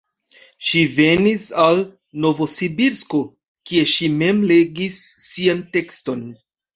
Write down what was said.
Ŝi venis al Novosibirsko, kie ŝi mem legis sian tekston.